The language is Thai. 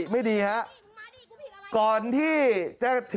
มีสิทธิ์ต้องกันตัว